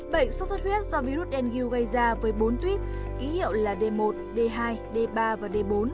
bệnh sốt huyết do virus dengue gây ra với bốn tuyết ký hiệu là d một d hai d ba và d bốn